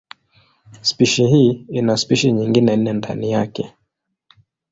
Spishi hii ina spishi nyingine nne ndani yake.